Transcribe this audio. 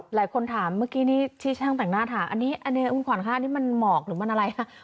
หลายคนถามเมื่อกี้ที่ช่างแต่งหน้าถามอันนี้มันหมอกหรือมันอะไร